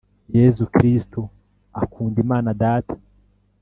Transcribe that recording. yezu kristu akundimana data.